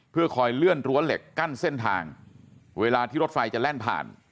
เพื่อคอยเลื่อนรั้วเหล็กกั้นเส้นทางเวลาที่รถไฟจะแล่นผ่าน